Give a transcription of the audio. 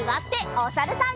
おさるさん。